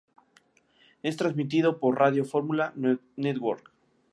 Es transmitido por Radio Formula Network.